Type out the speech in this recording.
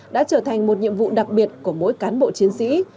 đã trở thành một nhiệm vụ đặc biệt của mỗi cán bộ chiến sĩ